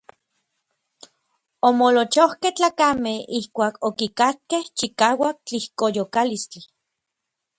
Omoolochojkej tlakamej ijkuak okikakkej chikauak tlijkoyokalistli.